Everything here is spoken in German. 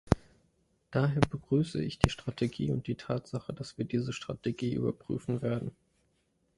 Daher begrüße ich die Strategie und die Tatsache, dass wir diese Strategie überprüfen werden.